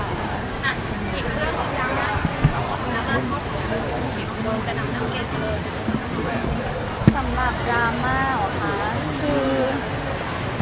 สำหรับดราม่าเหรอคะคือ